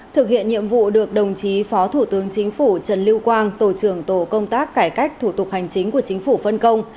thực hiện nhiệm vụ được đồng chí phó thủ tướng chính phủ trần lưu quang tổ trưởng tổ công tác cải cách thủ tục hành chính của chính phủ phân công